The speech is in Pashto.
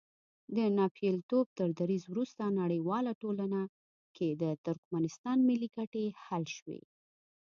د ناپېیلتوب تر دریځ وروسته نړیواله ټولنه کې د ترکمنستان ملي ګټې حل شوې.